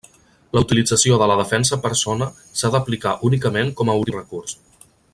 La utilització de la defensa persona s'ha d'aplicar únicament com a últim recurs.